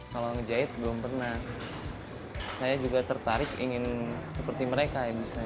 kalau ngejahit belum pernah saya juga tertarik ingin seperti mereka bisa